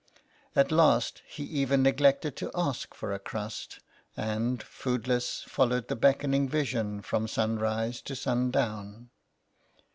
At last he even neglected to ask for a crust, and, foodless, followed the beckoning vision, from sunrise to sun down.